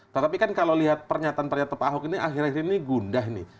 tetapi kan kalau lihat pernyataan pernyataan pak ahok ini akhir akhir ini gundah nih